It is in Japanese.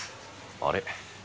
あれ？